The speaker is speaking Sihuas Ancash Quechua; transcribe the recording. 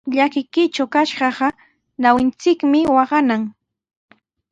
Llakikuytraw kashqaqa ñawinchikmi waqanan.